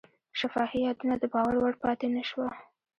شفاهي یادونه د باور وړ پاتې نه شوه.